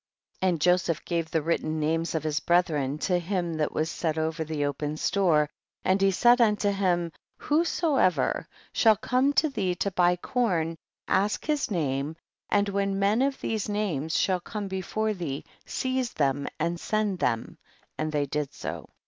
11. And Joseph gave the written names of his brethren to him that was set over thfi open store, and he said unto him, whosoever shall come to thee to buy corn, ask his name, and when men of these names shall come before thee, seize them and send them, and they did so.